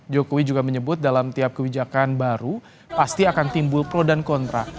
jokowi juga menyebut dalam tiap kebijakan baru pasti akan timbul pro dan kontra